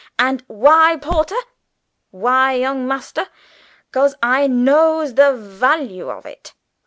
And why, porter? Why, young master? 'Cause I knows the vally on it!